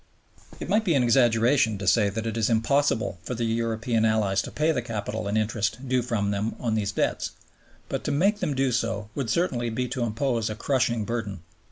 It might be an exaggeration to say that it is impossible for the European Allies to pay the capital and interest due from them on these debts, but to make them do so would certainly be to impose a crushing burden.